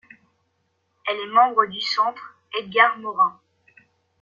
Elle est membre du Centre Edgar-Morin.